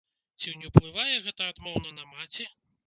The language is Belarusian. Ці не ўплывае гэта адмоўна на маці?